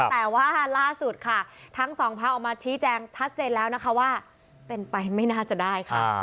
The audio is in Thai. แต่ว่าล่าสุดค่ะทั้งสองพักออกมาชี้แจงชัดเจนแล้วนะคะว่าเป็นไปไม่น่าจะได้ค่ะ